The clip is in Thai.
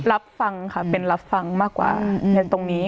รับฟังค่ะเป็นรับฟังมากกว่าในตรงนี้